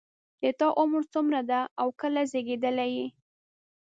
د تا عمر څومره ده او کله زیږیدلی یې